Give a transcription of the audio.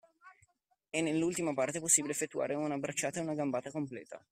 E nell’ultima parte è possibile effettuare una bracciata ed una gambata completa